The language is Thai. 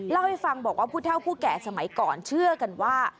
เล่าให้ฟังบอกว่าผู้เท่าผู้แก่สมัยก่อนเชื่อกันว่า